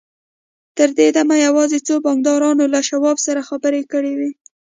تر دې دمه یوازې څو بانکدارانو له شواب سره خبرې کړې وې